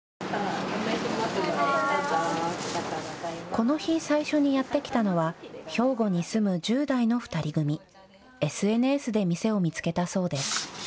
この日、最初にやって来たのは兵庫に住む１０代の２人組。ＳＮＳで店を見つけたそうです。